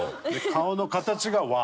顔の形が「ワ」。